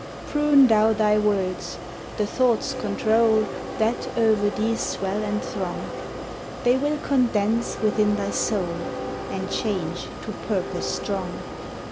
Prune thou thy words; the thoughts control That o'er thee swell and throng; They will condense within thy soul, And change to purpose strong.